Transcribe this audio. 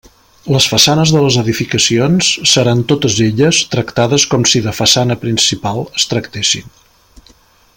Les façanes de les edificacions seran totes elles tractades com si de façana principal es tractessin.